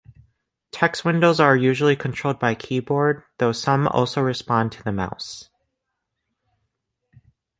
Text windows are usually controlled by keyboard, though some also respond to the mouse.